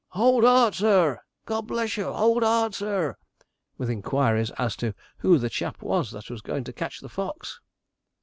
'Hold hard, sir!' 'God bless you, hold hard, sir!' with inquiries as to 'who the chap was that was going to catch the fox.'